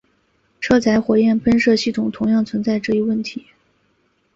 车载火焰喷射系统同样存在这一问题。